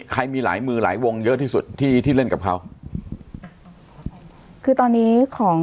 ใครมีหลายมือหลายวงเยอะที่สุดที่ที่เล่นกับเขาคือตอนนี้ของ